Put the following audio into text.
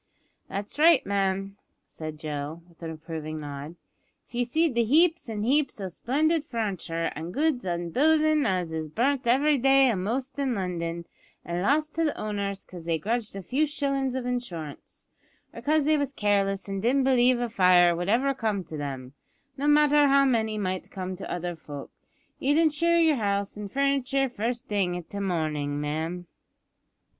"That's right, ma'am," said Joe, with an approving nod. "If you seed the heaps an' heaps o' splendid furnitur' an' goods an' buildin's as is burnt every day a'most in London, an' lost to the owners 'cause they grudged the few shillin's of insurance, or 'cause they was careless an' didn't b'lieve a fire would ever come to them, no matter how many might come to other folk, you'd insure yer house an' furnitur' first thing i' the mornin', ma'am."